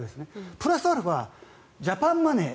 プラスアルファ、ジャパンマネー